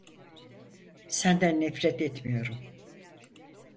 Senden nefret etmiyorum.